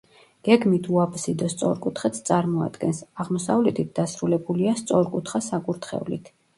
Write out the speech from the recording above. გეგმით უაბსიდო სწორკუთხედს წარმოადგენს, აღმოსავლეთით დასრულებულია სწორკუთხა საკურთხევლით.